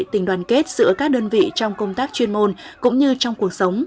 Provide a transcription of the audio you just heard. tình đoàn kết giữa các đơn vị trong công tác chuyên môn cũng như trong cuộc sống